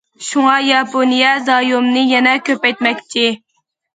شۇڭا ياپونىيە زايومنى يەنە كۆپەيتمەكچى.